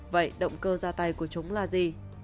vậy động cơ ra tay của chúng là gì